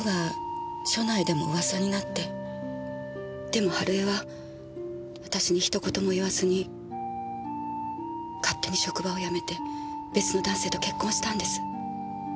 でも春枝は私にひと言も言わずに勝手に職場を辞めて別の男性と結婚したんです。